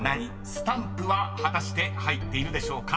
［スタンプは果たして入っているでしょうか］